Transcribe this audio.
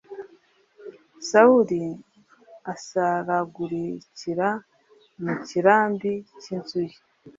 Sawuli asaragurikira mu kirambi cy ‘inzu ye.